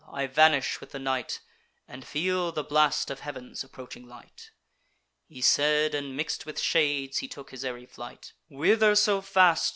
I vanish with the night, And feel the blast of heav'n's approaching light." He said, and mix'd with shades, and took his airy flight. "Whither so fast?"